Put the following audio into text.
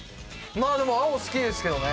まあでも青好きですけどね。